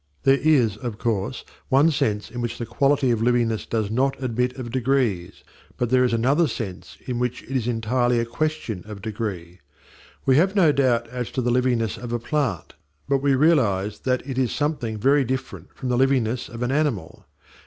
There is, of course, one sense in which the quality of livingness does not admit of degrees; but there is another sense in which it is entirely a question of degree. We have no doubt as to the livingness of a plant, but we realize that it is something very different from the livingness of an animal.